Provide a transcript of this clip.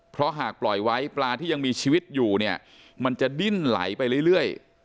เพราะหากปล่อยไว้ปลาที่ยังมีชีวิตอยู่เนี่ยมันจะดิ้นไหลไปเรื่อย